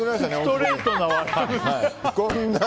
ストレートだな。